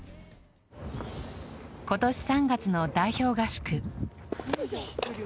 今年３月の代表合宿。